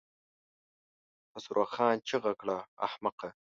خسرو خان چيغه کړه! احمقه!